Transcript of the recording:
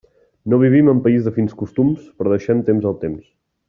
No vivim en país de fins costums, però deixem temps al temps.